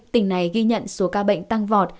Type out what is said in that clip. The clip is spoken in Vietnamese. tỉnh này ghi nhận số ca bệnh tăng vọt